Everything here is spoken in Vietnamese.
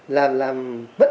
là làm vấn đề